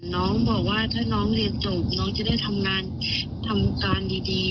น้องบอกว่าถ้าน้องเรียนจบน้องจะได้ทำงานทำการดี